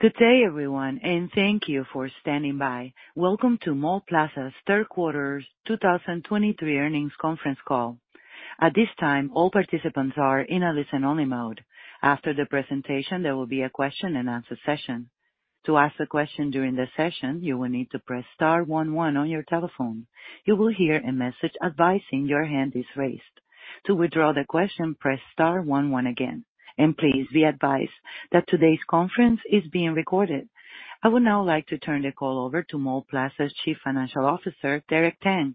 Good day, everyone, and thank you for standing by. Welcome to Mallplaza's Third Quarter 2023 earnings conference call. At this time, all participants are in a listen-only mode. After the presentation, there will be a question-and-answer session. To ask a question during the session, you will need to press Star one one on your telephone. You will hear a message advising your hand is raised. To withdraw the question, press Star one one again. Please be advised that today's conference is being recorded. I would now like to turn the call over to Mallplaza's Chief Financial Officer, Derek Tang.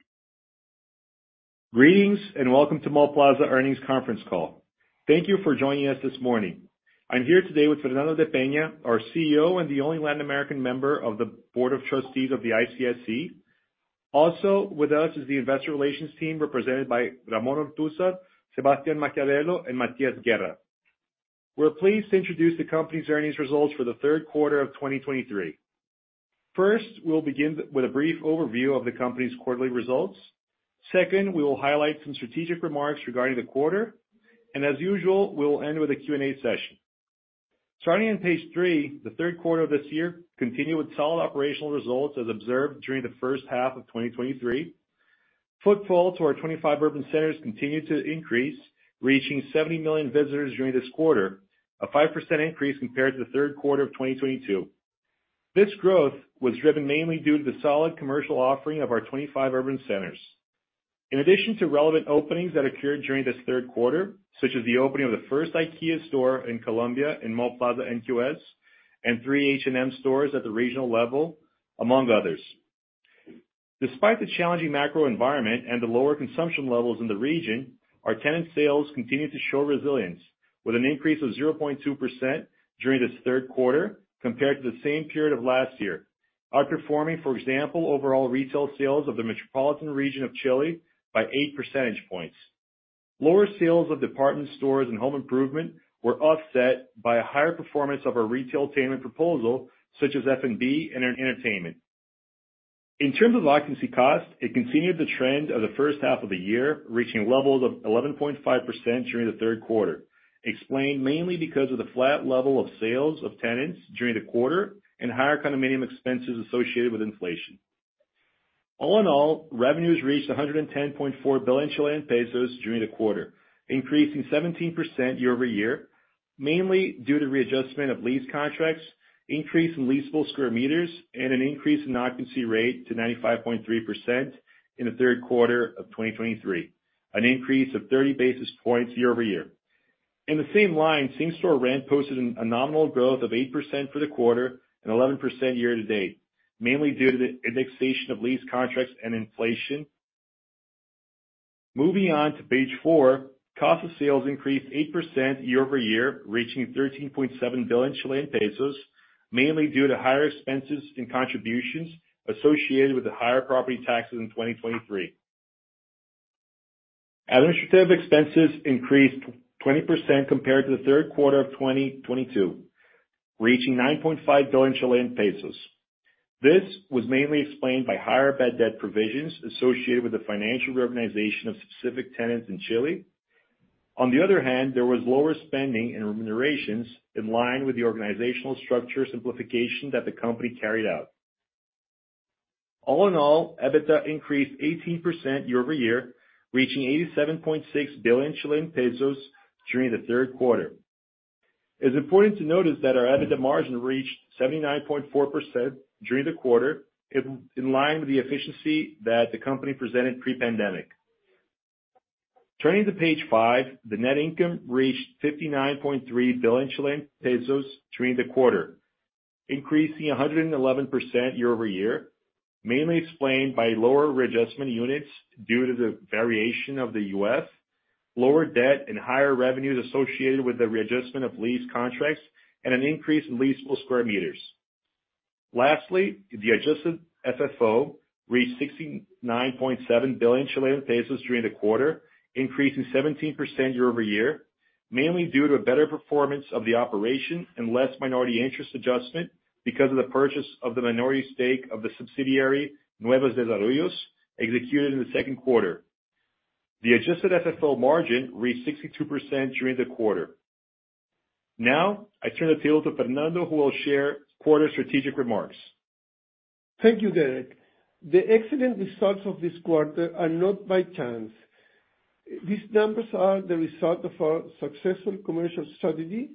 Greetings and Welcome to Mallplaza earnings conference call. Thank you for joining us this morning. I'm here today with Fernando de Peña, our CEO and the only Latin American member of the Board of Trustees of the ICSC. Also with us is the investor relations team represented by Ramón Artuza, Sebastián Maciarello, and Matías Guerra. We're pleased to introduce the company's earnings results for the third quarter of 2023. First, we'll begin with a brief overview of the company's quarterly results. Second, we will highlight some strategic remarks regarding the quarter. As usual, we'll end with a Q&A session. Starting on page three, the third quarter of this year continued with solid operational results as observed during the first half of 2023. Footfall to our 25 urban centers continued to increase, reaching 70 million visitors during this quarter, a 5% increase compared to the third quarter of 2022. This growth was driven mainly due to the solid commercial offering of our 25 urban centers. In addition to relevant openings that occurred during this third quarter, such as the opening of the first IKEA store in Colombia in Mallplaza NQS and three H&M stores at the regional level, among others. Despite the challenging macro environment and the lower consumption levels in the region, our tenant sales continued to show resilience, with an increase of 0.2% during this third quarter compared to the same period of last year, outperforming, for example, overall retail sales of the metropolitan region of Chile by 8 percentage points. Lower sales of department stores and home improvement were offset by a higher performance of our retailtainment proposal, such as F&B and entertainment. In terms of occupancy cost, it continued the trend of the first half of the year, reaching levels of 11.5% during the third quarter, explained mainly because of the flat level of sales of tenants during the quarter and higher condominium expenses associated with inflation. All in all, revenues reached 110.4 billion Chilean pesos during the quarter, increasing 17% year-over-year, mainly due to readjustment of lease contracts, increase in leasable square meters, and an increase in occupancy rate to 95.3% in the third quarter of 2023, an increase of 30 basis points year-over-year. In the same line, same-store rent posted a nominal growth of 8% for the quarter and 11% year to date, mainly due to the indexation of lease contracts and inflation. Moving on to page four, cost of sales increased 8% year-over-year, reaching 13.7 billion Chilean pesos, mainly due to higher expenses and contributions associated with the higher property taxes in 2023. Administrative expenses increased 20% compared to the third quarter of 2022, reaching 9.5 billion Chilean pesos. This was mainly explained by higher bad debt provisions associated with the financial reorganization of specific tenants in Chile. On the other hand, there was lower spending and remunerations in line with the organizational structure simplification that the company carried out. All in all, EBITDA increased 18% year-over-year, reaching 87.6 billion Chilean pesos during the third quarter. It's important to notice that our EBITDA margin reached 79.4% during the quarter, in line with the efficiency that the company presented pre-pandemic. Turning to page five, the net income reached 59.3 billion Chilean pesos during the quarter, increasing 111% year-over-year, mainly explained by lower readjustment units due to the variation of the U.S. dollar, lower debt, and higher revenues associated with the readjustment of lease contracts and an increase in leasable square meters. Lastly, the adjusted FFO reached 69.7 billion Chilean pesos during the quarter, increasing 17% year-over-year, mainly due to a better performance of the operation and less minority interest adjustment because of the purchase of the minority stake of the subsidiary Nuevos Desarrollos, executed in the second quarter. The adjusted FFO margin reached 62% during the quarter. Now, I turn the table to Fernando, who will share quarter strategic remarks. Thank you, Derek. The excellent results of this quarter are not by chance. These numbers are the result of our successful commercial strategy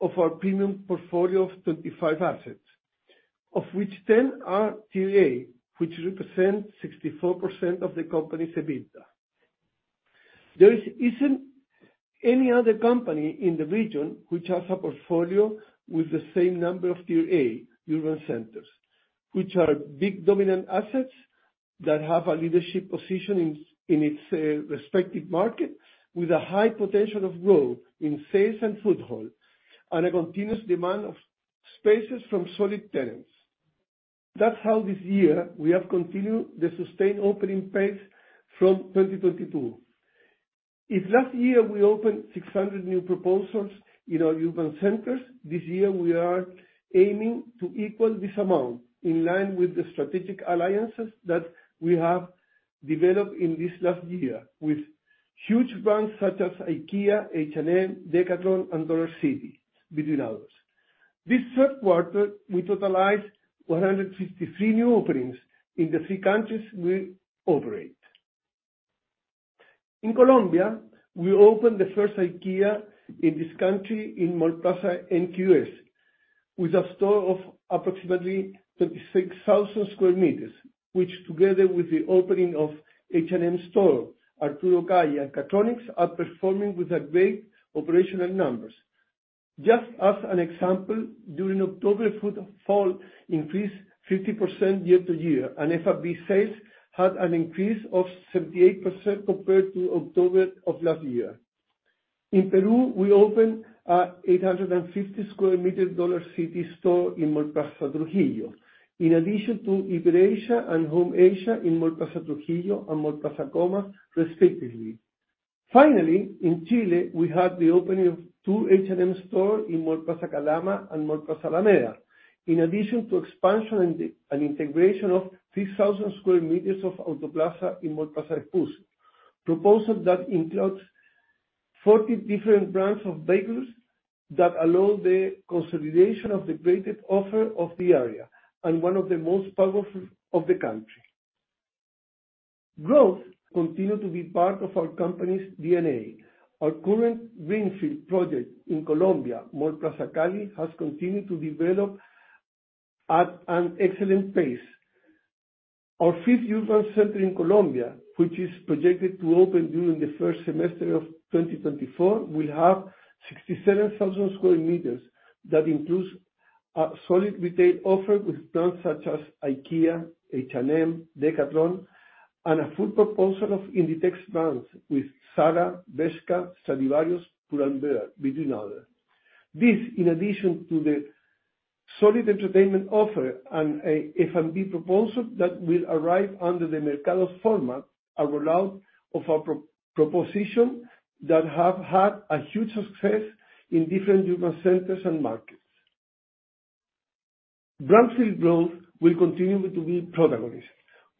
of our premium portfolio of 25 assets, of which 10 are Tier A, which represent 64% of the company's EBITDA. There isn't any other company in the region which has a portfolio with the same number of Tier A urban centers, which are big dominant assets that have a leadership position in its respective market, with a high potential of growth in sales and footfall and a continuous demand of spaces from solid tenants. That's how this year we have continued the sustained opening pace from 2022. If last year we opened 600 new proposals in our urban centers, this year we are aiming to equal this amount in line with the strategic alliances that we have developed in this last year with huge brands such as IKEA, H&M, Decathlon, and Dollar City, among others. This third quarter, we totalized 153 new openings in the three countries we operate. In Colombia, we opened the first IKEA in this country in Mallplaza NQS, with a store of approximately 26,000 sq m, which, together with the opening of H&M store, Arturo Calle, and Catronics, are performing with great operational numbers. Just as an example, during October, footfall increased 50% year to year, and F&B sales had an increase of 78% compared to October of last year. In Peru, we opened an 850 sq m Dollar City store in Mallplaza Trujillo, in addition to Iber Asia and Home Asia in Mallplaza Trujillo and Mallplaza Comas, respectively. Finally, in Chile, we had the opening of two H&M stores in Mallplaza Calama and Mallplaza Alameda, in addition to expansion and integration of 3,000 sq m of Autoplaza in MallplazaVespucio a proposal that includes 40 different brands of vehicles that allow the consolidation of the greatest offer of the area and one of the most powerful of the country. Growth continues to be part of our company's DNA. Our current greenfield project in Colombia, Mallplaza Cali, has continued to develop at an excellent pace. Our fifth urban center in Colombia, which is projected to open during the first semester of 2024, will have 67,000 sq m that includes a solid retail offer with brands such as IKEA, H&M, Decathlon, and a full proposal of Inditex brands with Zara, Bershka, Stradivarius, Pull&Bear, among others. This, in addition to the solid entertainment offer and an F&B proposal that will arrive under the Mercado format, a rollout of our proposition that has had huge success in different urban centers and markets. Brand field growth will continue to be protagonist.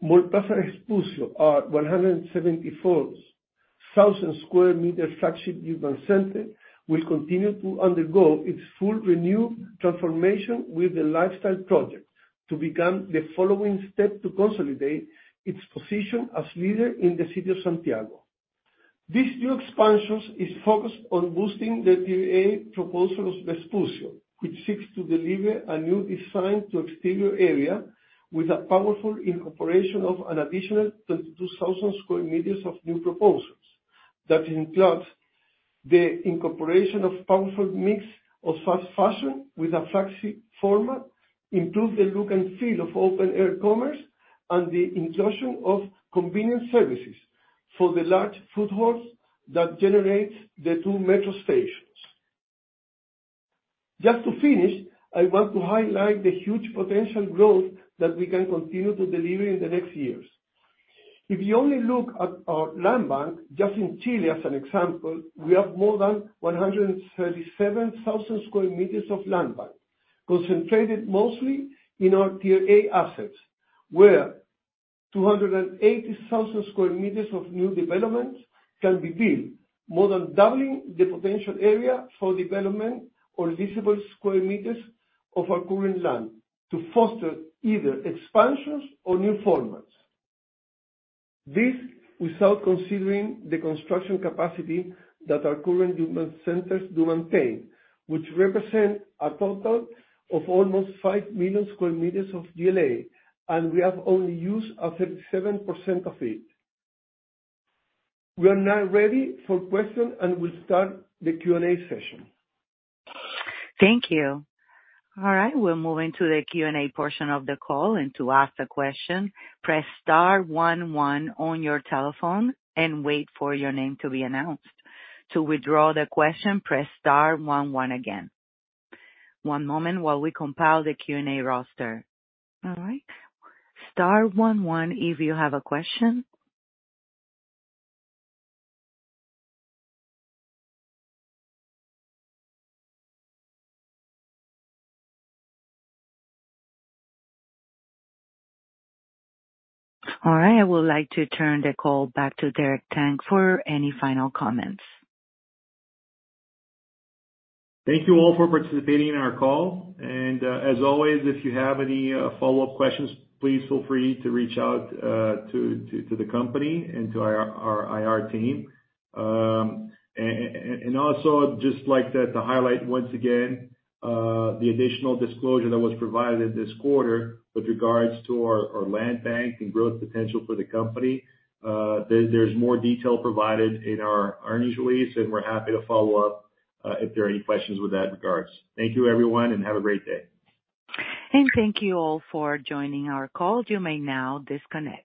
MallplazaVespucio our 174,000 sq m flagship urban center, will continue to undergo its full renewed transformation with the lifestyle project to become the following step to consolidate its position as leader in the city of Santiago. This new expansion is focused on boosting the Tier A proposal of Vespucio which seeks to deliver a new design to the exterior area with a powerful incorporation of an additional 22,000 sq m of new proposals that includes the incorporation of a powerful mix of fast fashion with a flagship format, improved look and feel of open-air commerce, and the inclusion of convenience services for the large footfalls that generate the two metro stations. Just to finish, I want to highlight the huge potential growth that we can continue to deliver in the next years. If you only look at our land bank, just in Chile as an example, we have more than 137,000 sq m of land bank concentrated mostly in our Tier A assets, where 280,000 sq m of new developments can be built, more than doubling the potential area for development or leasable sq m of our current land to foster either expansions or new formats. This is without considering the construction capacity that our current urban centers do maintain, which represents a total of almost 5 million sq m of Tier A, and we have only used 37% of it. We are now ready for questions and will start the Q&A session. Thank you. All right, we'll move into the Q&A portion of the call. To ask a question, press Star one one on your telephone and wait for your name to be announced. To withdraw the question, press Star one one again. One moment while we compile the Q&A roster. All right. Star one one if you have a question. I would like to turn the call back to Derek Tang for any final comments. Thank you all for participating in our call. If you have any follow-up questions, please feel free to reach out to the company and to our IR team. I would also just like to highlight once again the additional disclosure that was provided this quarter with regards to our land bank and growth potential for the company. There is more detail provided in our earnings release, and we are happy to follow up if there are any questions with that regards. Thank you, everyone, and have a great day. Thank you all for joining our call. You may now disconnect.